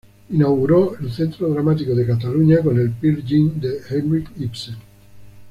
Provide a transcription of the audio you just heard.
Inauguró el Centro Dramático de Cataluña con el Peer Gynt de Henrik Ibsen.